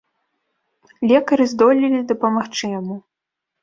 Лекары здолелі дапамагчы яму.